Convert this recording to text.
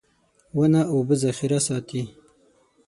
• ونه د اوبو ذخېره ساتي.